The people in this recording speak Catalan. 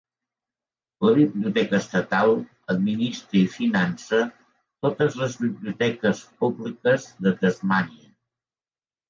La Biblioteca estatal administra i finança totes les biblioteques públiques de Tasmània.